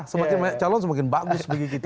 semakin calon semakin bagus bagi kita